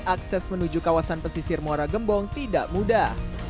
akses menuju kawasan pesisir muara gembong tidak mudah